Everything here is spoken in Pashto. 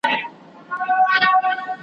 یا دي شل کلونه اچوم زندان ته .